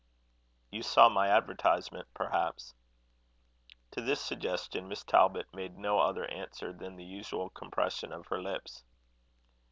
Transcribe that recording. "You saw my advertisement, perhaps?" To this suggestion Miss Talbot made no other answer than the usual compression of her lips.